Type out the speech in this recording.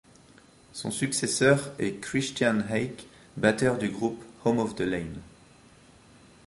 Son successeur est Christian Hake, batteur du groupe Home of the Lame.